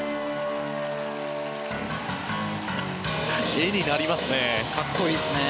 絵になりますね。